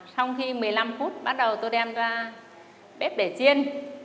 sau khi một mươi năm phút bắt đầu tôi đem ra bếp để chiên